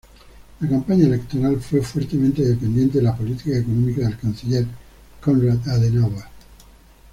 La campaña electoral fue fuertemente dependiente de la política económica del canciller Konrad Adenauer.